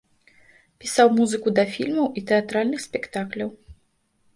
Пісаў музыку да фільмаў і тэатральных спектакляў.